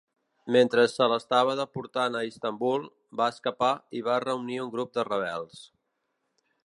Mentre se l'estava deportant a Istanbul, va escapar i va reunir un grup de rebels.